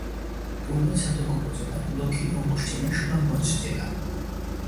পূর্বে ছাতক উপজেলা, দক্ষিণ ও পশ্চিমে সুনামগঞ্জ জেলা।